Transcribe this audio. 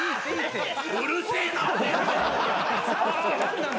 うるせえなお前。